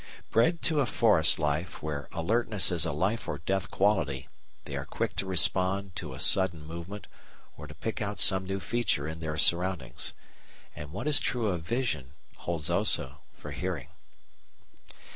Bred to a forest life where alertness is a life or death quality, they are quick to respond to a sudden movement or to pick out some new feature in their surroundings. And what is true of vision holds also for hearing.